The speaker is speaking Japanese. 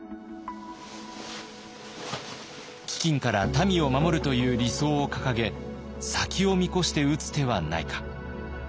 飢饉から民を守るという理想を掲げ先を見越して打つ手はないか。